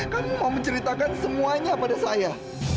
kan mau menceritakan semuanya pada saya